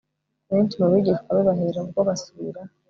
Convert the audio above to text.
Benshi mu bigishwa be bahera ubwo basubira